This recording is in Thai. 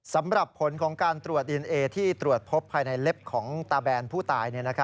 สำหรับผลของการตรวจดีเอนเอที่ตรวจพบภายในเล็บของตาแบนผู้ตาย